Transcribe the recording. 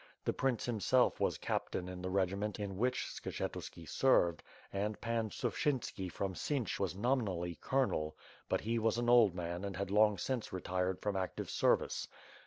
The prince himself was captain in the regiment in which Skshetuski served, and Pan Suffchynski from Siench was nominally colonel; but he was an old man and had long since retired from active service.